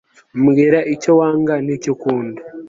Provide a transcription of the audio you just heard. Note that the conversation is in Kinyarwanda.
mbwira icyo wanga, n'icyo ukunda